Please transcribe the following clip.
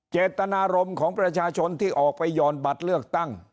เจตนารมณ์ของประชาชนที่ออกไปหย่อนบัตรเลือกตั้ง